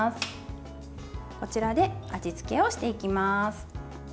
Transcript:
こちらで味付けをしていきます。